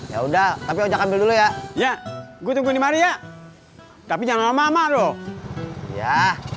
ya udah tapi ojek ambil dulu ya ya gue tunggu nih maria tapi jangan lama lama loh ya